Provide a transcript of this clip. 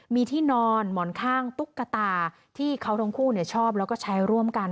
มีที่นอนหมอนข้างตุ๊กตาที่เขาทั้งคู่ชอบแล้วก็ใช้ร่วมกัน